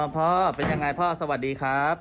อ้อพ่อเป็นอย่างไรพ่อว่าสวัสดีครับ